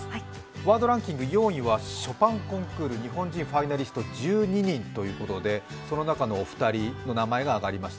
ワードランキング４位は、ショパンコンクール日本人ファイナリスト１４人ということでその中のお二人の名前が挙がりました。